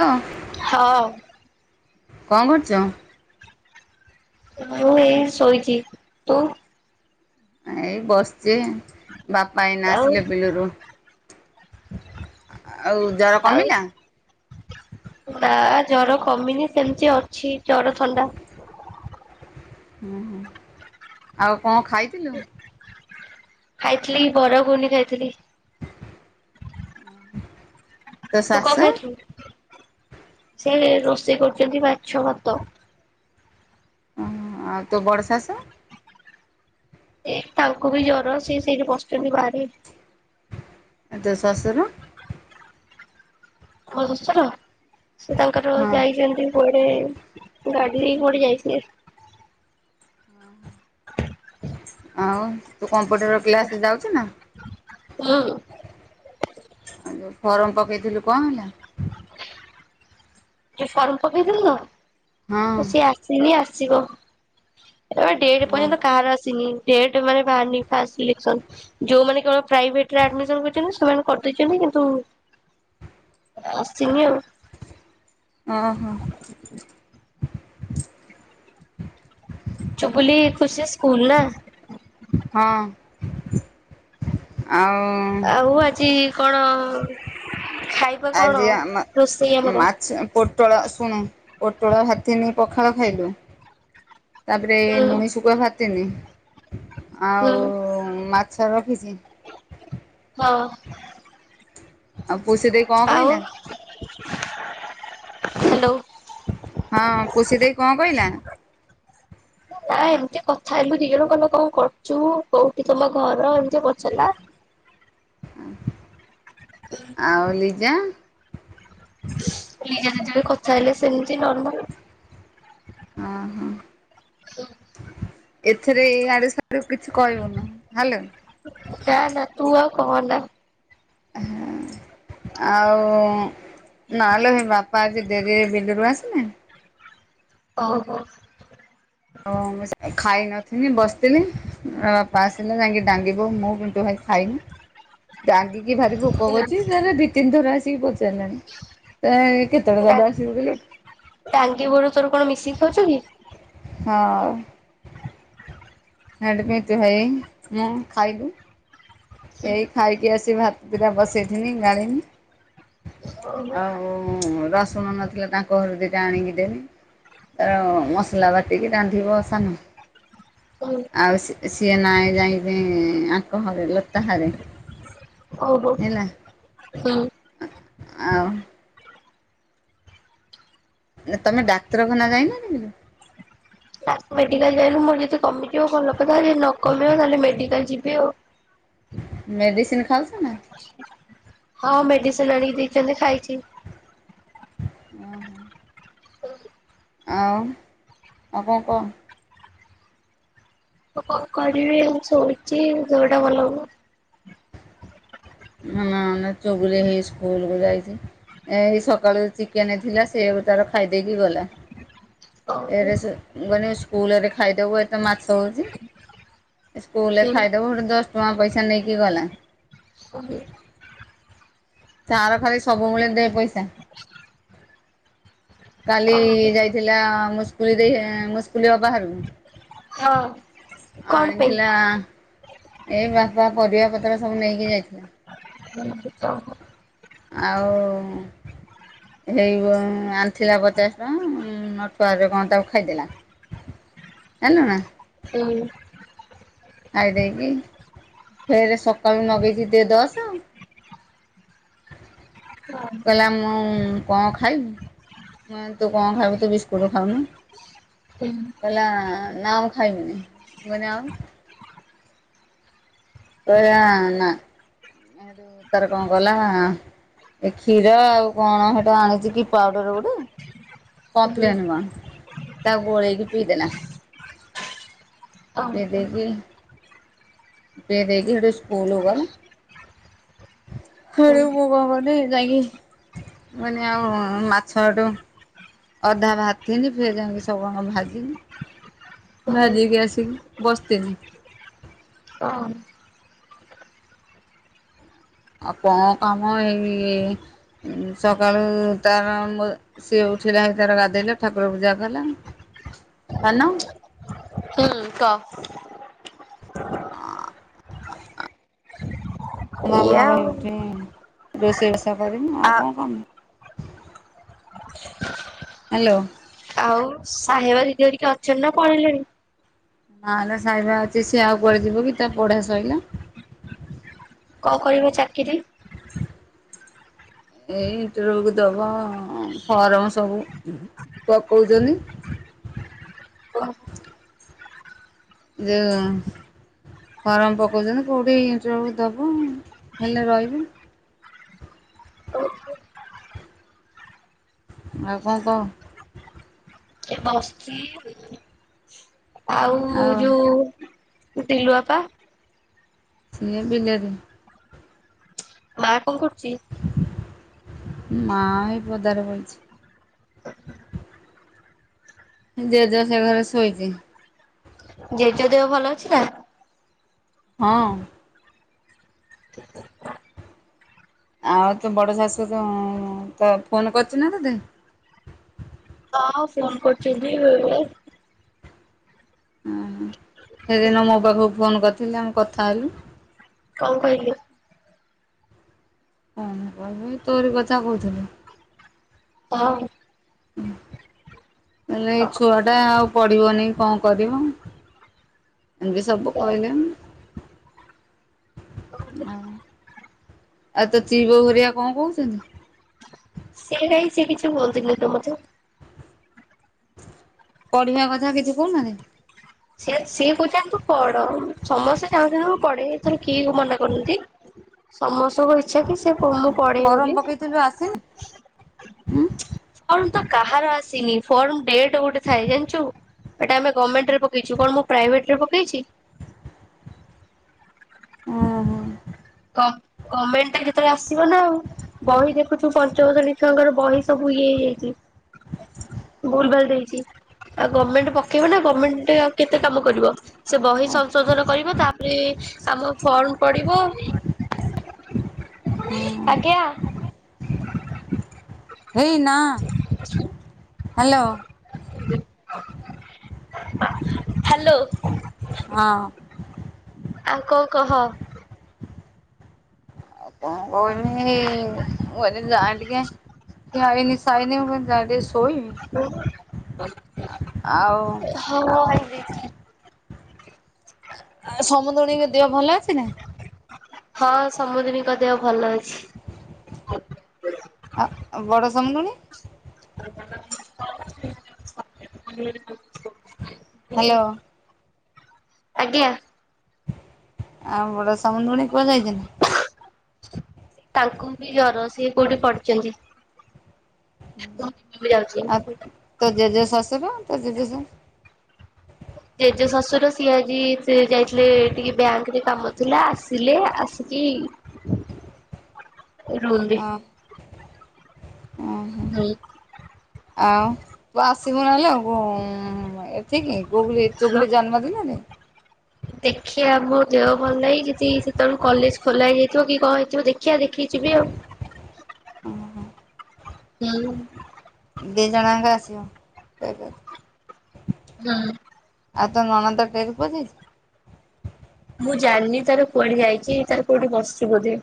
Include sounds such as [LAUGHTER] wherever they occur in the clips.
ଲୋ ହଁ କଣ କରୁଚ। ମୁଁ ଏଇ ଶୋଇଚି ତୁ। ଏଇ ବସିଚି ବାପା ଏଇନା ଆଉ ଆସିଲେ ବିଲରୁ। ଆଉ ଜର ଆଉ କମିଲା। ନା ଜର କମିନି ସେମିତି ଅଛି ଜର ଥଣ୍ଡା। ହୁଁ ହୁଁ ଆଉ କଣ ଖାଇ ଖାଇଥିଲି ବରା ଗୁଗୁନି ଖାଇଥିଲି। ତୋ ତୁ କଣ ଶାଶୁ ଖାଇଥିଲୁ ସିଆଡେ ରୋଷେଇ କରୁଚନ୍ତି ମାଛ ଭାତ। ଉଁ ହୁଁ ଆଉ ତୋ ବଡ଼ ଶାଶୁ। ଏ ତାଙ୍କୁ ବି ଜର ସେ ସେଇଟି ବସିଚନ୍ତି ବାହାରେ। ତୋ ଶଶୁର। ମୋ ଶଶୁର ସେ ତାଙ୍କର ହଁ ଯାଇଚନ୍ତି କୁଆଡେ ଗାଡି ନେଇକି କୁଆଡ଼େ ଯାଇଥିଲେ। [UNINTELLIGIBLE] ଆଉ ତୁ କମ୍ପ୍ୟୁଟର କ୍ଲାସେ ଯାଉଚୁ ନା। ହୁଁ। ଆଉ ଯୋଉ ଫର୍ମ ପକେଇଥିଲୁ କଣ ହେଲା। ଯଉ ଫର୍ମ ପକେଇ ଥିଲି ନା ହଁ ସିଏ ଆସିନେଇ ଆସିବ। ଆ ଡେଟ ଏ ହଁ ପର୍ଯ୍ୟନ୍ତ କାହାର ଆସିନି ଡେଟ ମାନେ ବାହାରିନି ଫାଷ୍ଟ ସିଲେକ୍ସନ। ଯୋଉମାନେ କେବଳ ପ୍ରାଇଭେଟରେ ଆଡମିସନ କରଛନ୍ତି ସେମାନେ କରିଦେଇଛନ୍ତି କିନ୍ତୁ ଆସିନି ଆଉ। ଓ ହୋ। [UNINTELLIGIBLE] ଚୁବୁଲି ଖୁସି ସେ ସ୍କୁଲ ନା। ହଁ। ଆଉ ଆଉ ଆଜି କଣ ଖାଇବା କଣ ଆଜି ଆମ ରୋଷେଇ ଆମର। ମାଛ ପୋଟଳ ଶୁଣୁ ପୋଟଳ ଭାଥିନୀ ପଖାଳ ଖାଇଲୁ। ତାପରେ ହୁଁ ନୁଣି ଶୁଖୁଆ ଭାଜିଥିଲି ହୁଁ ଆଉ ମା ସାର ଅଫିସି ହଁ। ଆଉ ପୁସୀ ଦେଇ କଣ ଆଉ କହିଲା। ହ୍ୟାଲୋ। ହଁ ପୁଷି ଦେଇ କଣ କହିଲା। ନା ଏମିତି କଥା ହେଲୁ ଦି ଜଣ କଇଲା କଣ କରୁଚୁ କୋଉଠି ତମ ଘର ଏମିତି ପଚାରିଲା। ଅ ହଁ ଆଉ ଲିଜା। ଲିଜା ଲିଜା କଥା ହେଲେ ସେମିତି ନର୍ମାଲ। ହଁ ହଁ। ଏଥିରେ ଏଆଡେ ସିଆଡେ କିଛି କହିବୁନି ହେଲୋ। ଯା ଯା ନା ତୁ ଆଉ କହନା। ହଁ ଆଉ ନା ଲୋ ଏ [UNINTELLIGIBLE] ବା ଆଜି ଡେରିରେ ବିଲରୁ ଆସିନି? ଓହୋ। ହ ମୁଁ ଖାଇ ନଥିଲିନି ବସିଥିଲି ବାପା ଆସିଲେ ଯାଇକି ଡ଼ାଙ୍ଗି ମୁଁ କିନ୍ତୁ ଭାଇ ଖାଇନି ରାଗିକି ଭାରି ଭୋକ କରଛି ହେଲା। ତାେଲେ ଦି ତିନି ଥର ଆସିକି ହେଲାଣି ତା ଏଁ କେତବେଳେ ଦାଦା ଅସିବ କେଜାଣି? ଟାଙ୍ଗି ବୋଉ ର ତୋର କଣ ମିଶିକି ଖାଉଛ କି? ହଁ। [UNINTELLIGIBLE] ଭାଇ ମୁଁ ଖାଇବୁ। ଏଇ ଖାଇକି ଆସି ଭାତ ଦିଟା ବସେଇଥିନି ଗାଳିଲି ଆଉ ହୁଁ ରସୁଣ ନଥିଲା ତାଙ୍କ ଘରୁ ଦିଟା ଆଣିକି ଦେଲି। ତାର ମସଲା ବାଟିକି ରାନ୍ଧିବ ସାନ? ହଁ। ଆଉ ସି ସିଏ ନାଇଁ ଯାଇଁକି ଆଙ୍କ ହରେ ଲତା ହରେ। ଓହୋ ହେଲା ହୁଁ। ଆଉ ତମେ ଡାକ୍ତରଖାନା ଯାଇନଥିଲ? ତା ମେଡିକାଲ ଯାଇନୁ ମୋର ଯଦି କମିଯିବ ଭଲ କଥା ଯଦି ନ କମିବ ତାହେଲେ ମେଡିକାଲ ଯିବି ଆଉ ମେଡ଼ିସିନ୍ ଖାଉଛ ନା? ହଁ ମେଡିସିନ ଆଣିକି ଦେଇଛନ୍ତି ଖାଇଛି? ହୁଁ। ଆଉ ଆଉ କଣ କହ? ଆଉ କଣ କରିବି ଏତି ଶୋଇଛି ଦେହଟା ଭଲ ଲାଗୁନି। ନା ଚୁଗୁଲିଆ ହେଇ ସ୍କୁଲ କୁ ଯାଇଛି। ଏଇ ସକାଳୁ ଚିକେନ ଥିଲା ସେୟାକୁ ତାର ଖାଇଦେଇକି ଗଲା ଏଆଡ଼େ ଶୁ ମୁଁ କହିଲି ସ୍କୁଲ ରେ ଖାଇଦବୁ ଆଜି ତ ମାଛ ହଉଛି ସ୍କୁଲରେ ଖାଇଦବୁ ହେଠୁ ଦଶ ଟଙ୍କା ପଇସା ନେଇକି ଗଲା। [UNINTELLIGIBLE] ତାର ଖାଲି ସବୁବେଳେ ଦେ ପଇସା। କାଲି ଯାଇଥିଲା ମୁସ୍କୁଲି ଦେଇ ମୁସ୍କୁଲ ଅପା ହରକୁ ହଁ। କଣ ପାଇଁ? ଆଣିଥିଲା ଆଁ ଏଇ ବାପା ପରିବା ପତ୍ର ସବୁ ନେଇକି ଯାଇଥିଲେ। ହ [UNINTELLIGIBLE] ଆଉ ହେଇ ମ ଆଣିଥିଲା ପଚାଶ ଟଙ୍କା ନଠୁଆ ଏବେ କଣ ତାକୁ ଖାଇଦେଲା। [UNINTELLIGIBLE] [UNINTELLIGIBLE] ହୁଁ ଉଁ ଖାଇ ଦେଇକି ଫେର ସକାଳୁ ନଗେଇଛି ଦେ ଦଶ କହିଲା ମୁଁ କଣ ଖାଇବି? ମୁଁ ତୁ କଣ ଖାଇବୁ ତୁ ବିସ୍କୁଟ ଖାଉନୁ ହୁଁ। କହିଲା ନା ମୁଁ ଖାଇ ବିନି ମୁଁ କହିଲି ଆଉ? କହିଲା ନା। ହେଠୁ ତାର କଣ ଗଲା ଏ କ୍ଷୀର ଆଉ କଣ ହେଠା ଆଣିଛି କି ପାଉଡର ଗୋଟେ କପଲେନ ମ ତା ଗୋଳେଇକି ପିଇଦେଲା। ପିଇଦେଇକି ପିଇଦେଇକି ହେଠୁଁ ସ୍କୁଲ ଗଲା। [UNINTELLIGIBLE] ମୁଁ କଣ କଲି ଯାଇକି ମାନେ ଆଉ ମାଛ ହେଠୁ ଅଧା ଭାତିନି ଫେରେ ଯାଇକି ସବୁ ଯାକ ଭାଜିଲି। ଭାଜିକି ଆସିକି ବସିଥିଲି। କ ଅଁ ଆଉ କଣ କାମ ଏଇ ସକାଳୁ ତାର ମ ସିଏ ଉଠିଲା ତାର ଗାଧେଇଲା ଠାକୁର ପୂଜା କଲା ସାନ ହୁଁ କହ? [UNINTELLIGIBLE] ରୋଷେଇବାସ କରିବି ଆଉ କଣ କାମ। ହ୍ୟାଲୋ ଆଉ ସାହେବା ଦିଦି ହେରିକା ଅଛନ୍ତି ନା ପଳେଇଲେଣି? ହଁ ଲୋ ସାହେବା ଅଛି ସିଏ ଆଉ କୁଆଡ଼େ ଯିବ କି ତା ପଢ଼ା ସଇଲା। କଣ କରିବେ ଚାକିରି? ଏଇ ଇଣ୍ଟରଭି୍ୟୁ କ ଦବ ଫର୍ମ ସବୁ ପକଉଛନ୍ତି। ଜଅ ଫର୍ମ ପକଉଛନ୍ତି କୋଉଠି ଇଣ୍ଟରଭ୍ୟୁ ଦବ ହେଲେ ରହିବୁ। ଆଉ କଣ କହ? ଏ ବସିଚି ଆଉ ଯୋଉ ତୁ ଟିଲୁଆପା ସିଏ ବିିଲେରେ। ମା କଣ କରୁଛି? ମା ଏଇ ପଦାରେ ବଇଛି। ଯେଜ ସେ ଘରେ ଶୋଇଛି। ଜେଜ ଦେହ ଭଲ ଅଛି ନା? ହଁ। ଆଉ ତୋ ବଡ଼ ଶାଶୁ ତ ତ ଫୋନ କରୁଚି ନା ତତେ? ହଁ ଫୋନ୍ କରୁଛନ୍ତି ବେଳେ ବେଳେ। ଓହୋ ସେଦିନ ମୋ ପାଖକୁ ଫୋନ କରିଥିଲେ ଆମେ କଥା ହେଲୁ। କଣ କହିଲେ? କଣ କହିବେ ତୋରି କଥା କହୁଥିଲେ। କଣ? କହିଲେ ଏଇ ହଁ। ଛୁଆ ଟା ଆଉ ପଢ଼ିବନି କଣ କରିବ? ଏମତି ସବୁ କହିଲେ। ଆଉ ଆଉ ତୋ ଚି ବୋଉ ହେରିକା କଣ କହୁଛନ୍ତି? ସେ କାଇ ସେକିଛି କୁହନ୍ତିନି ତ ମତେ। ପଢ଼ିବା କଥା କିଛି କହୁନାହାନ୍ତି। ସେ ସିଏ କହୁଛନ୍ତି ତୁ ପଢ ସମସ୍ତେ ଚାହୁଁଛନ୍ତି ମୁଁ ପଢେ ଏଥରେ କିଏ ବି ମନା କରୁନାହାନ୍ତି। ସମସ୍ତଙ୍କ ଇଚ୍ଛା କି ସେପ ମୁ ଫରମ ପକେଇଥିଲୁ ଆସିନି? ଉଁ ଫର୍ମ ତ କାହାର ଆସିନି ଫର୍ମ ଡେଟ ଗୋଟେ ଥାଏ ଜାଣିଛୁ ଏଟା ଆମେ ଗମେଣ୍ଟରେ ପକେଇ ଛୁ କଣ ମୁଁ ପ୍ରାଇଭେଟ ରେ ପକେଇଛି? ଉଁ ହୁଁ ଗ ଗମେଣ୍ଟଟା ଯେତେବେଳେ ଆସିବ ନା ଆଉ। ବହି ଦେଖୁଛୁ ପଞ୍ଚମ ଶ୍ରେଣୀ ଛୁଆଙ୍କର ବହି ସବୁ ଇଏ ହେଇଯାଇଛି। ଭୁଲ ଭାଲ ଦେଇଛି ଆଉ ଗମେଣ୍ଟ ପକେଇବନା ଗମେଣ୍ଟ ଆଉ କେତେ କାମ କରିବ। ସେ ବହି ଓହୋ ସଂଶୋଧନ କରିବ ତାପରେ ଆମ ଫର୍ମ ପଡିବ। ହୁଁ ଆଜ୍ଞା ହେଇ ନା ହ୍ୟାଲୋ ହ୍ୟାଲୋ ହଁ ଆଉ କଣ କହ? ଆଉ କଁ କହିମି ମୁଁ କହିନି ଯାଏ ଟିକେ ଖିଆ ହେଇନି ଶାଇନି ମୁଁ କହିନି ଯାଏ ଟିକେ ଶୋଇମି। ଉଁ ଏ ଆଉ ହଁ ବି ଆ ସମୁଦୁଣୀଙ୍କ ଦେହ ଭଲ ଅଛି ନା? ହଁ ସମୁଦୁଣୀଙ୍କ ଦେହ ଭଲ ଅଛି। ଆ ଆଉ ବଡ ସମୁଦୁଣୀ। [INAUDIBLE] ହୁଁ ହ୍ୟାଲୋ ଆଜ୍ଞା। ଆଉ ବଡ ସମୁଦୁଣୀ କୁଆଡେ ଯାଇଚନ୍ତି? ତାଙ୍କୁ ବି ଜର ସିଏ କୋଉଠି ପଡିଚନ୍ତି। ଆଉ [UNINTELLIGIBLE] ତୋ ଜେଜେ ଶଶୁର ତୋ ଜେଜେ ଶା [INAUDIBLE] ଜେଜେ ଶଶୁର ସିଏ ଆଜି ସେ ଯାଇଥିଲେ ଟିକେ ବ୍ୟାଙ୍କରେ କାମ ଥିଲା ଆସ ତିଲେ ଆସିକି ରୁମରେ ଅଁ ଅଁ ହଁ। [UNINTELLIGIBLE] ଆଉ ତୁ ଆସିବୁ ନହେଲେ ଆଉ ଗୁଁ ଏଠିକିି ଗୁଗୁଲି ହଁ। ଚୁଗୁଲି ଜନ୍ମଦିନରେ। ଦେଖିଆ ମୋ ଦେହ ଭଲ ନାହିଁ ଯିତି ସେତେବେଳୁ କଲେଜ୍ ଖୋଲା ହେଇଯାଇଥିବ କି କଁ ହେଇଥିବ ଦେ ଖିଆ ଦେଖିକି ଯିବି ଆଉ ଓହୋ ହୁଁ। ଦି ଜଣ ଆଙ୍କ ଆସିବ। [UNINTELLIGIBLE] ହୁଁ। ଆଉ ତୋ ନଣନ୍ଦ ଟେରି କୁଆଡେ ଯାଇଚି? ମୁଁ ଜାଣନି ତାର କୁଆଡେ ଯାଇଚି ତାର କୋଉଠି ବସିଚି ବୋଧେ।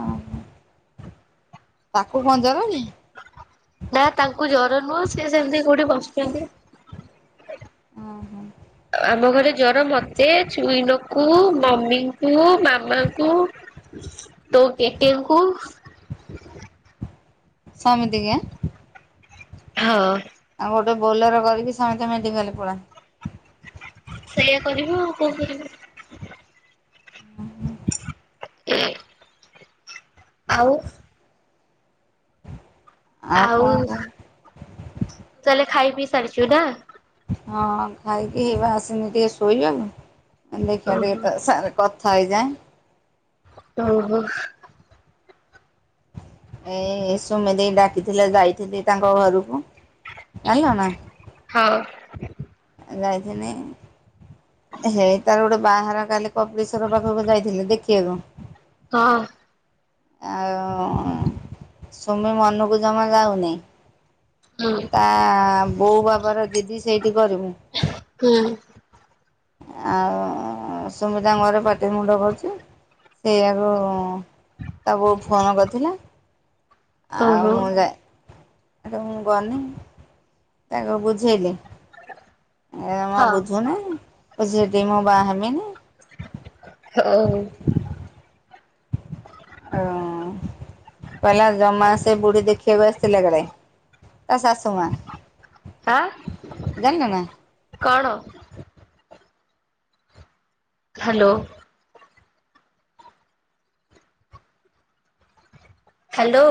ଓହୋ। ତାକୁ କଁ ଜର ଆଇଲେଇଁ? ନା ତାଙ୍କୁ ଜର ନୁହଁ ସିଏ ସେମତି କୋଉଠି ବସିଛନ୍ତି। ଓହୋ ଆମ ଘରେ ଜର ମ ତେ ଚୁଇଁନକୁ ମମିଙ୍କୁ ମାମାଙ୍କୁ ତୋ କେକେଙ୍କୁ। [INAUDIBLE] ସମତିିଙ୍କି ଆଁ। ହଁ। ଆଉ ଗୋଟେ ବୋଲର କରିକି ସମେତେ ମେଡିକାଲ୍ ପଳା। ସେଇଆ କରିବୁ ଆଉ କଁ କରିବୁ। [INAUDIBLE] ଆଉ ଆଉ କଣ କହ ତୁ ତାହେଲେ ଖାଇ ପିଇ ସାରିଚୁ ନା। ହଁ ଖାଇକି ହେଇବା ଆସିନି ଟିକେ ଶୋଇବାକୁ ଉଁ ଦେଖିଆ ଟିକେ ଓହୋ ତୋ ସାଙ୍ଗେରେ କ ଥା ହେଇଯାଏଁ। ଓହୋ। ଏଇଁ ସୁମି ଦେଇ ଡାକିଥିଲେ ଯାଇଥିଲି ତାଙ୍କ ଘରୁକୁ। ଆଣିଲ ନା। ହଁ। ଏଁ ଯାଇଥିନି। ହେ ତାର ଗୋଟେ ବାହାଘର କାଲି କପିଳେଶ୍ୱର ପାଖକୁ ଯାଇଥିଲି ଦେଖିଆକୁ। ହଁ। ଆଉ ଉଁ ସୁମି ମନୁକୁ ଜମା ଯାଉନି। ହୁଁ ତା ବୋଉ ବାବାର ଜିଦି ସେଇଠି କରିମୁ। ହୁଁ। ଆଉ ସୁମିତାଙ୍କ ଘରେ ପାଟି ମୁୁଣ୍ଡ କରୁଛି। ସେଇଆକୁ ତା ବୋଉ ଫୋନ୍ କରିଥିଲା। ଆଉ ଓହୋ ମୁଁ ଯାଇ ମୁଁ ଗନି ତାକୁ ବୁଝେଇଲି। [INAUDIBLE] ଏ ଜମା ହଁ ବୁଝୁନାଇଁ କହୁଛି ସେଠି ମୁଁ ବାହା ହେବିନି। ହୋଉ। ଓ କହିଲା ଜମା ସେ ବୁଢୀ ଦେଖିବାକୁ ଆସିଥିଲା କାଡେ। ତା ଶାଶୁ ମା। ହାଁ ଜାଣିଲ ନା କଣ? ହ୍ୟାଲୋ। ହ୍ୟାଲୋ।